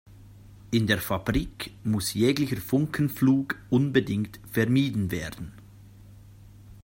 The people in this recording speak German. In der Fabrik muss jeglicher Funkenflug unbedingt vermieden werden.